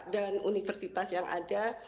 dan universitas yang ada